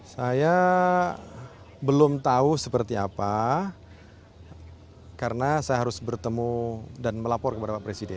saya belum tahu seperti apa karena saya harus bertemu dan melapor kepada pak presiden